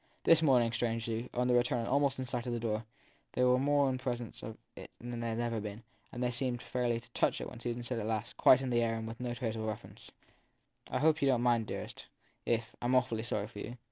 This morning, strangely, on the return and almost in sight of their door, they were more in presence of it than they had ever been, and they seemed fairly to touch it when Susan said at last, quite in the air and with no traceable reference : I hope you don t mind, dearest, if I m awfully sorry for you.